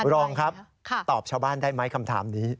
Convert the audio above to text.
รองครับตอบชาวบ้านได้ไหมคำถามนี้